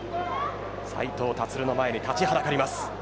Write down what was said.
斉藤立の前に立ちはだかります。